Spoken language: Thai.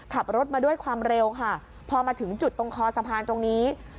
ขับรถมาด้วยความเร็วค่ะพอมาถึงจุดตรงคอสะพานตรงนี้